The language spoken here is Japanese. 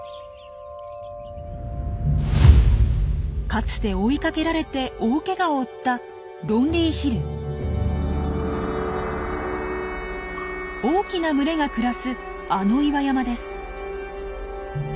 かつて追いかけられて大けがを負った大きな群れが暮らすあの岩山です。